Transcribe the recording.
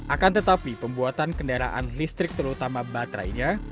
akan tetapi pembuatan kendaraan listrik terutama baterainya